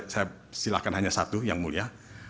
saya silakan hanya satu yang mulia